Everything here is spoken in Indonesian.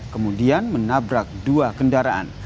kemudian menabrak dua kendaraan